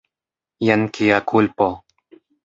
Jen kia kulpo!